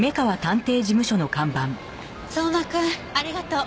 相馬君ありがとう。